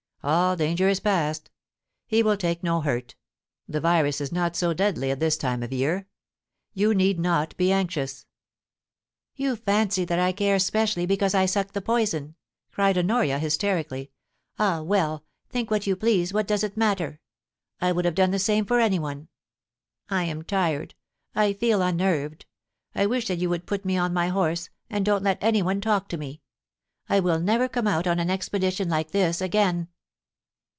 All danger is past He will take no hurt The virus is not so deadly at this time of year. You need not be anxious.' * You fancy that I care specially because I sucked the poison r cried Honoria, hysterically. * Ah well ! think what you please, what does it matter? I would have done the same for anyone. ... I am tired — I feel unnerved — I wish that you would put me on my horse, and don't let anyone talk to me. I will never come out on an expedition like this again.'